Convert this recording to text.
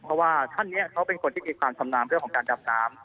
เพราะว่าท่านนี้เขาเป็นคนที่มีความชำนาญเรื่องของการดำน้ำ